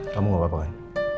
kamu gak apa apa kan